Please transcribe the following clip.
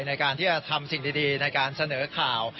ในการที่จะทำสิ่งดีในการเสนอข่าว